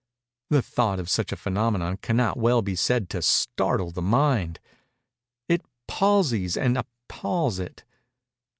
The thought of such a phænomenon cannot well be said to startle the mind:—it palsies and appals it.